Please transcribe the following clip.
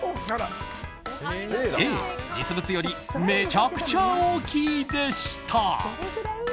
Ａ、実物よりめちゃくちゃ大きいでした。